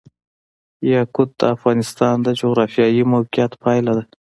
یاقوت د افغانستان د جغرافیایي موقیعت پایله ده.